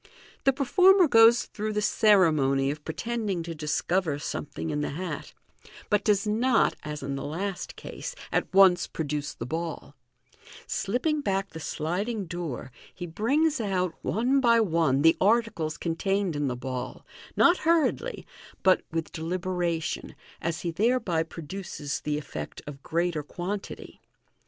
The performer goes through the ceremony of pretending to discover something in the hat, but does Fig. 136 Figs. 137, 138. MODERN MAGIC. 3°7 not, as in the l*st case, at once produce the ball. Slipping back the sliding door, he brings out, one by one, the articles contained in the ball, not hurriedly, but with deliberation, as he thereby produces the effect of greater quantity.